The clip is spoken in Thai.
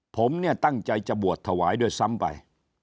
ผมเนี่ยตั้งใจจะบวชถวายด้วยซ้ำไป